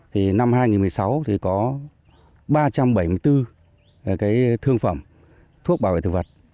thì năm hai nghìn một mươi sáu thì có ba trăm bảy mươi bốn cái thương phẩm thuốc bảo vệ thực vật